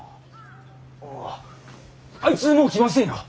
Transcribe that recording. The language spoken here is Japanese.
あああいつもう来ませんよ。